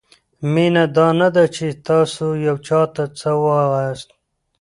مینه دا نه ده؛ چې تاسو یو چاته څه وایاست؛